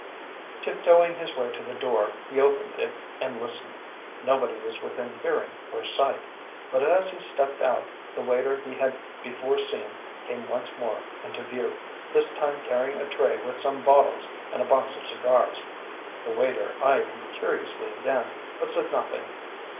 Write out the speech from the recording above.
Tiptoeing his way to the door, he opened it and listened. Nobody was within hearing or sight. But as he stepped out, the waiter he had before seen came once more into view, this time carrying a tray with some bottles and a box of cigars. The waiter eyed him curiously again, but said nothing.